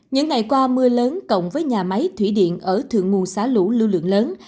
những ngày qua mưa lớn cộng với nhà máy thủy điện ở thượng nguồn xả lũ lưu lượng lớn